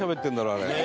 あれ。